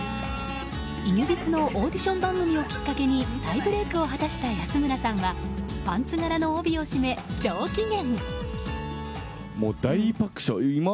イギリスのオーディション番組をきっかけに再ブレークを果たした安村さんはパンツ柄の帯を締め、上機嫌。